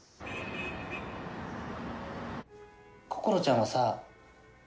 心ちゃんはさ